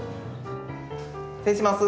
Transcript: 失礼します。